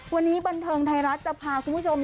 วันนี้บันเทิงไทยรัฐจะพาคุณผู้ชม